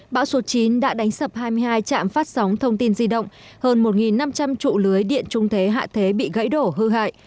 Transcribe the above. bão số chín đã đánh sập hai mươi hai trạm phát sóng thông tin di động hơn một năm trăm linh trụ lưới điện trung thế hạ thế bị gãy đổ hư hại